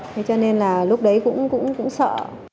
thế cho nên là lúc đấy cũng sợ